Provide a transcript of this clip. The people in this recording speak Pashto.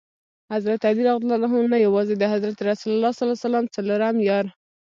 حضرت علي رض نه یوازي د حضرت رسول ص څلورم یار.